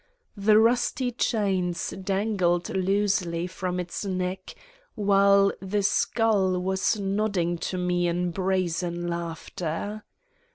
The rusty chains dangled loosely from its neck while the skull was nodding to me in brazen laughter.